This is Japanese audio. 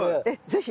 ぜひ！